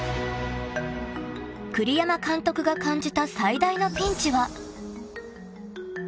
［栗山監督が感じた最大のピンチは］